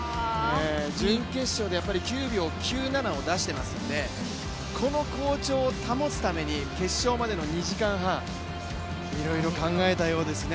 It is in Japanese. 準決勝で９秒９７を出していますのでこの好調を保つために決勝までの２時間半、いろいろ考えたようですね。